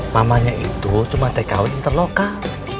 mamanya itu cuma tekawin terlokal